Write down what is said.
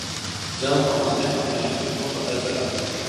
جب ہمارے ہمراہیوں کو پتہ چلا